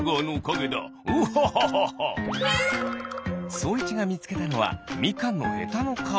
そういちがみつけたのはみかんのへたのかお。